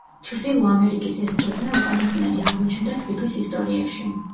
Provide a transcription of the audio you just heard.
ჩრდილო ამერიკის ეს ტურნე უკანასკნელი აღმოჩნდა ჯგუფის ისტორიაში.